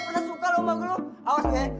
kalau tapi tolong supaya white athlete